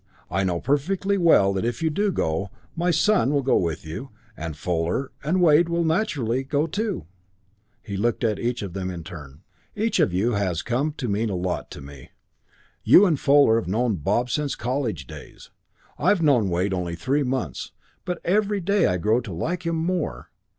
I know perfectly well that if you do go, my son will go with you, and Fuller and Wade will naturally go too." He looked at each in turn. "Each of you has come to mean a lot to me. You and Fuller have known Bob since college days. I've known Wade only three months, but every day I grow to like him more.